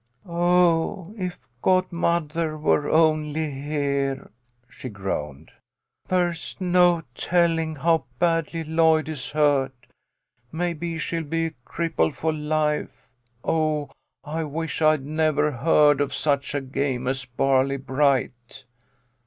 " Oh, if godmother were only here !" she groaned. "There's no telling how badly Lloyd is hurt. Maybe she'll be a cripple for life. Oh, I wish I'd never heard of such a game as Barley bright."